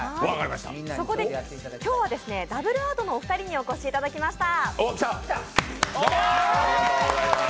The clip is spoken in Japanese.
今日はダブルアートのお二人にお越しいただきました。